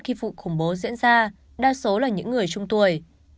khi vụ khủng bố diễn ra đa số là những người trung tuổi